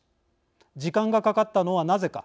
時間がかかったのはなぜか。